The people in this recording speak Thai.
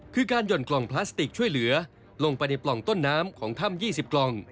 คือการหย่อนกล่องพลาสติกช่วยเหลือลงไปในปล่องต้นน้ำของถ้ำ๒๐กล่อง